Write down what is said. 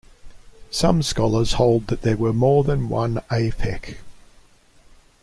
Some scholars hold that there were more than one Aphek.